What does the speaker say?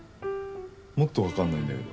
もっとわかんないんだけど。